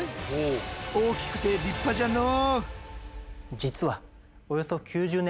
大きくて立派じゃのう。